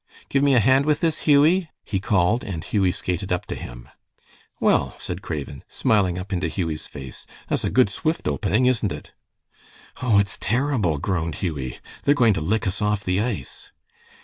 "Give me a hand with this, Hughie," he called, and Hughie skated up to him. "Well," said Craven, smiling up into Hughie's face, "that's a good, swift opening, isn't it?" "Oh, it's terrible," groaned Hughie. "They're going to lick us off the ice."